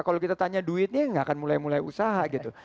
kalau kita tanya duitnya nggak akan mulai mulai usaha gitu